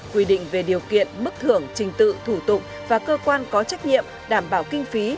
quy định về điều kiện bức thưởng trình tự thủ tụng và cơ quan có trách nhiệm đảm bảo kinh phí